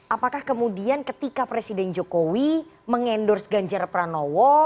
apakah kemudian ketika presiden jokowi mengendorse ganjar pranowo